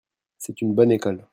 C'est une bonne école.